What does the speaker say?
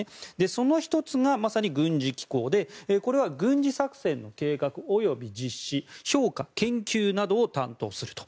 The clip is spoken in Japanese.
その１つがまさに軍事機構でこれは軍事作戦の計画及び実施評価・研究などを担当すると。